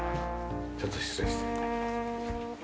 ちょっと失礼して。